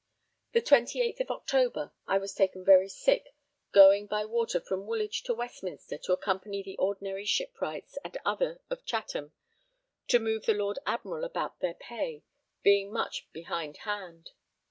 The 28th of October, I was taken very sick, going by water from Woolwich to Westminster to accompany the ordinary shipwrights and other of Chatham to move the Lord Admiral about their pay, being much behindhand.